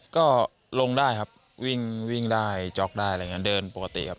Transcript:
ก็ลงได้ครับวิ่งวิ่งได้จ๊อกได้อะไรอย่างนี้เดินปกติครับ